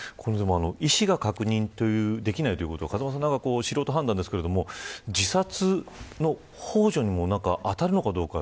意思が確認できないということは素人判断なんですけど自殺ほう助に当たるのかどうか。